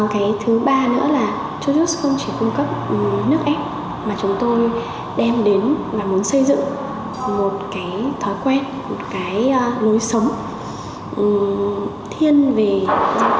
cái thứ ba nữa là chujuis không chỉ cung cấp nước ép mà chúng tôi đem đến và muốn xây dựng một cái thói quen một cái lối sống thiên về gia cụ quả